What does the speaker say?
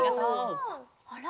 あら？